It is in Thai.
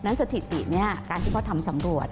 สถิตินี้การที่เขาทำสำรวจ